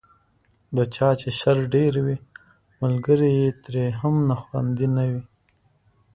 د چا چې شر ډېر وي، ملګری یې ترې هم خوندي نه وي.